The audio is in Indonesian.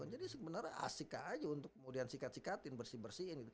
jadi sebenarnya asik aja untuk kemudian sikat sikatin bersih bersihin